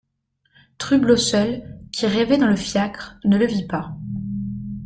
Trublot seul, qui rêvait dans le fiacre, ne le vit pas.